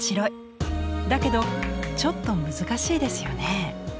だけどちょっと難しいですよね。